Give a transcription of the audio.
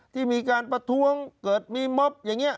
ที่มีการประท้วงเกิดมีม็อบอย่างนี้